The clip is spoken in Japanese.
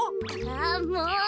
あもう！